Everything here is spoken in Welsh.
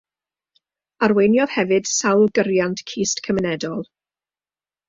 Arweiniodd hefyd sawl gyriant Cist Gymunedol.